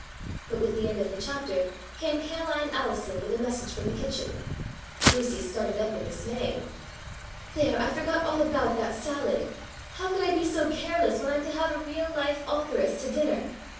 But with the end of the chapter came Ca'line Allison with a message from the kitchen. Lucy started up in dismay. "There! I forgot all about that salad. How could I be so careless when I'm to have a real live authoress to dinner?